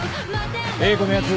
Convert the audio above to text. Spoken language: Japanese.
英子のやつ